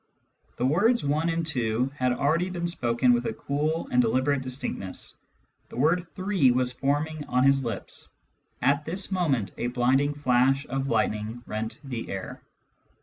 The words one and two had already been spoken with a cool and deliberate distinctness. The word three was forming on his lips. At this moment a blinding flash of lightning rent the air."